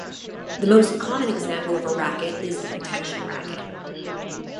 The most common example of a racket is the protection racket.